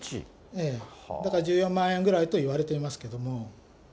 だから１４万円ぐらいと言われていますけども。